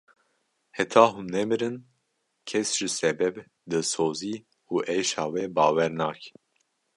Heta hûn nemirin kes ji sebeb, dilsozî û êşa we bawer nake.